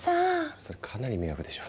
それかなり迷惑でしょ。